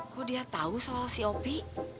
kok dia tau soal si opi